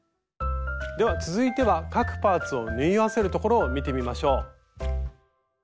では続いては各パーツを縫い合わせるところを見てみましょう。